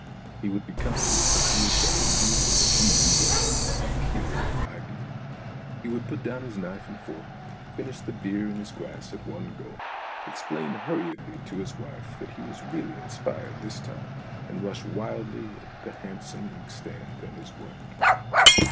He would be conscious that he had got a new, tre mendous, imperial idea. He would put down his knife and fork, finish the beer in his glass at one gulp, explain hurriedly to his wife that he was really inspired this time, and rush wildly at the handsome inkstand and his work.